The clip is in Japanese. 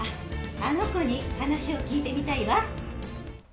あの子に話を聞いてみたいわ。